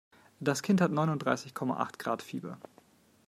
Das Kind hat Neunundreißig Komma Acht Grad Fieber.